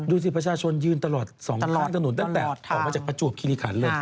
ดูสิประชาชนยืนตลอด๒ล้อถนนตั้งแต่ออกมาจากประจวบคิริขันเลย